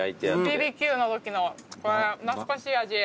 ＢＢＱのときの懐かしい味。